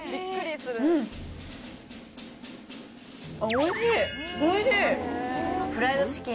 おいしい。